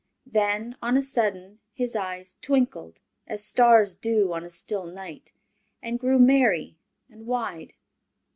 Then on a sudden his eyes twinkled, as stars do on a still night, and grew merry and wide.